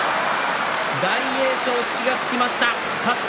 大栄翔、土がつきました。